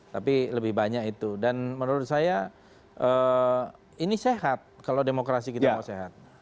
tapi lebih banyak itu dan menurut saya ini sehat kalau demokrasi kita mau sehat